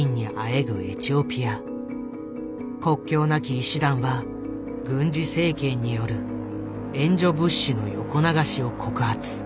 国境なき医師団は軍事政権による援助物資の横流しを告発。